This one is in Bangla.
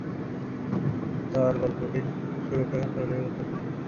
তার গল্পটির শুরুটা হলেও শুনতে হবে।